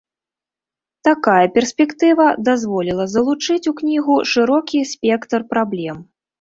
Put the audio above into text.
Такая перспектыва дазволіла залучыць у кнігу шырокі спектр праблем.